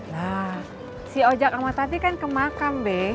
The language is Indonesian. lah si ojak sama tati kan kemakam be